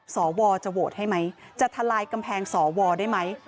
สวจะโหวตให้ไหมจะทลายกำแพงสวได้ไหม